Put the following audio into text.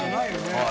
はい。